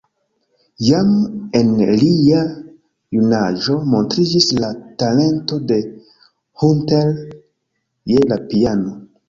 Jam en lia junaĝo montriĝis la talento de Hunter je la piano.